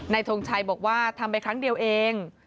ทงชัยบอกว่าทำไปครั้งเดียวเอง